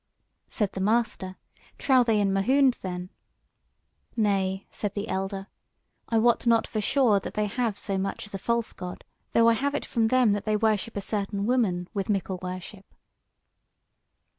Said the master: "Trow they in Mahound then?" "Nay," said the elder, "I wot not for sure that they have so much as a false God; though I have it from them that they worship a certain woman with mickle worship."